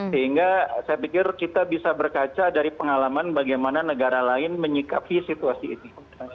sehingga saya pikir kita bisa berkaca dari pengalaman bagaimana negara lain menyikapi situasi ini